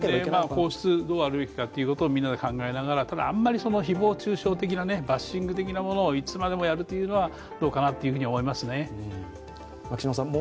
皇室がどうあるべきかというのをみんなで考えながらただ、あんまり誹謗中傷的な、バッシング的なものをいつまでもやるというのはどうかなと思いますね。